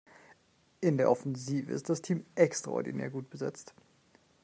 In der Offensive ist das Team extraordinär gut besetzt.